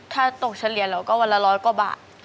ถ้าตกเฉลี่ยเราก็วันละร้อยกว่าบาท